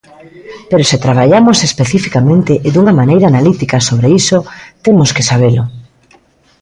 Pero se traballamos especificamente e dunha maneira analítica sobre iso, temos que sabelo.